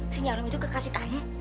si nyi arum itu kekasih kamu